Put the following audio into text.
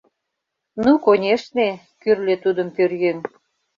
— Ну, конешне, — кӱрльӧ тудым Пӧръеҥ.